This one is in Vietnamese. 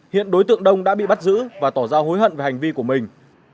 hiện đối tượng đông đã bị bắt giữ và tỏ ra hối hận về hành vi của mình